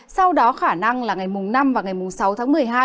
sau đó khả năng là ngày năm và ngày sáu tháng một mươi hai